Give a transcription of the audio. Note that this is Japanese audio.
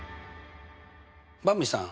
ばんびさん